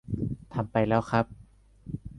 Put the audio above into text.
ทำไปแล้วครับ